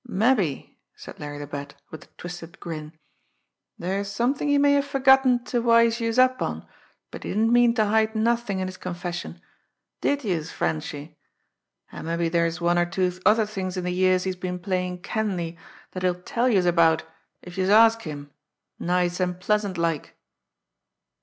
"Mabbe," said Larry the Bat, with a twisted grin, "dere's somethin' he may have fergotten ter wise youse up on, but he didn't mean ter hide nothin' in his confession did youse, Frenchy? An' mabbe dere's one or two other things in de years he's been playin' Kenleigh dat he'll tell youse about, if youse ask him nice and pleasant like!"